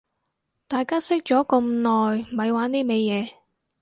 大家識咗咁耐咪玩呢味嘢